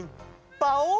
パオン！